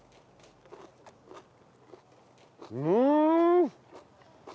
うん！